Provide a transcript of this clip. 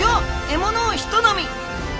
獲物をひと飲み。